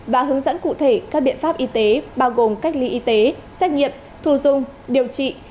và hướng dẫn cụ thể các biện pháp y tế bao gồm cách ly y tế xét nghiệm thù dùng điều trị tiêm chủ